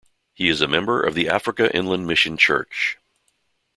He is a member of the Africa Inland Mission Church.